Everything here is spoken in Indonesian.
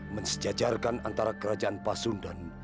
mensejajarkan antara kerajaan pasundan